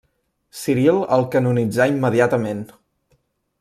Ciril el canonitzà immediatament.